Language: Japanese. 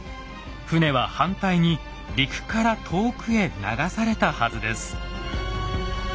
船は反対に陸から遠くへ流されたはずです。